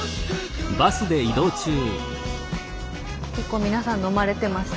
結構皆さん飲まれてました？